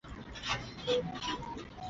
战斗以团派全胜结束。